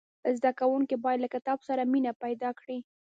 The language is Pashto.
زدهکوونکي باید له کتاب سره مینه پیدا کړي.